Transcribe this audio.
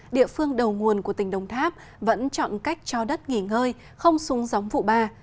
địa phương đầu nguồn của tỉnh đồng tháp vẫn chọn cách cho đất nghỉ ngơi không sung gióng vụ ba